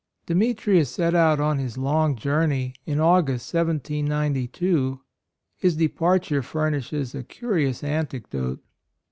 Demetrius set out on his long journey in August, 1792. His departure furnishes a curious anecdote.